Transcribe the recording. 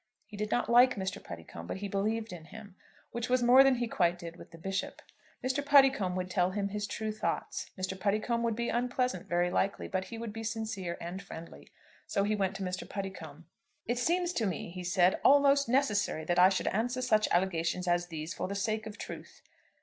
He did not like Mr. Puddicombe, but he believed in him, which was more than he quite did with the Bishop. Mr. Puddicombe would tell him his true thoughts. Mr. Puddicombe would be unpleasant very likely; but he would be sincere and friendly. So he went to Mr. Puddicombe. "It seems to me," he said, "almost necessary that I should answer such allegations as these for the sake of truth."